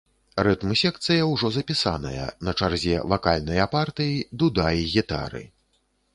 Рытм-секцыя ўжо запісаная, на чарзе вакальныя партыі, дуда і гітары.